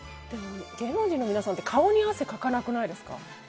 芸能人のみなさんって顔に汗かかなくないですか？